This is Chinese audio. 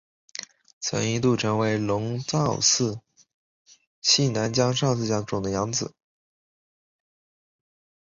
曾一度成为龙造寺隆信次男江上家种的养子。